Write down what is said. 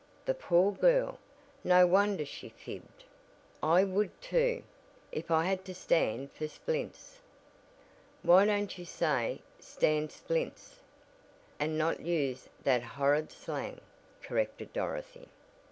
The poor girl, no wonder she fibbed. I would too, if I had to stand for splints." "Why don't you say 'stand splints,' and not use that horrid slang," corrected Dorothy.